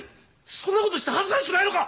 そんなことして恥ずかしくないのか！？